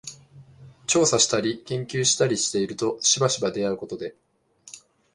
調査したり研究したりしているとしばしば出合うことで、